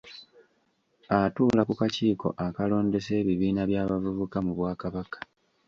Atuula ku kakiiko akalondesa ebibiina by'abavubuka mu Bwakabaka